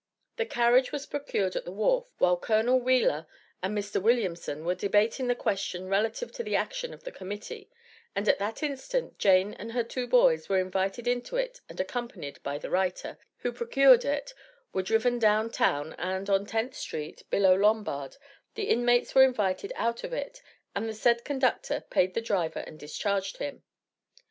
The carriage was procured at the wharf, while Col. Wheeler and Mr. Williamson were debating the question relative to the action of the Committee, and at that instant, Jane and her two boys were invited into it and accompanied by the writer, who procured it, were driven down town, and on Tenth Street, below Lombard, the inmates were invited out of it, and the said conductor paid the driver and discharged him.